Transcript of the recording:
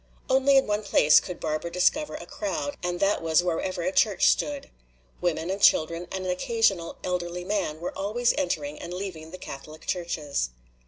Only in one place could Barbara discover a crowd and that was wherever a church stood. Women and children and an occasional elderly man were always entering and leaving the Catholic churches.